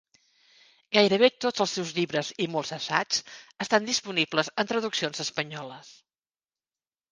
Gairebé tots els seus llibres i molts assaigs estan disponibles en traduccions espanyoles.